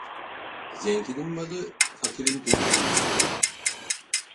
Zenginin malı, fakirin dölü kıymetli olur.